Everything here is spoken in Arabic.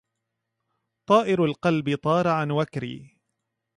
طائر القلب طار عن وكري